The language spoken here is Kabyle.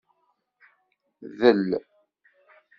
Del.